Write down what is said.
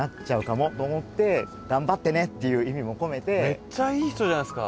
めっちゃいい人じゃないですか。